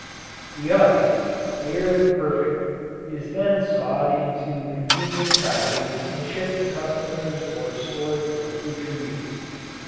The ice, clear and perfect, is then sawed into convenient sizes and shipped to consumers or stored for future use.